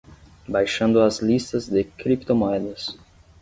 Baixando as listas de criptomoedas